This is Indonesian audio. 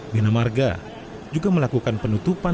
binamarga juga melakukan penutupan lubang